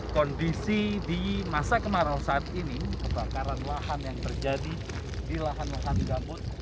kondisi di masa kemarau saat ini kebakaran lahan yang terjadi di lahan lahan gambut